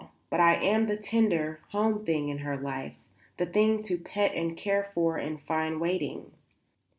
But I am the tender, home thing in her life; the thing to pet and care for and find waiting.